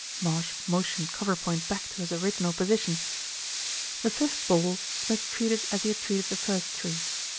Marsh motioned cover point back to his original position. The fifth ball Smith treated as he had treated the first three.